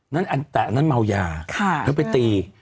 นั่นอันแต่นั่นเมายาแล้วไปตี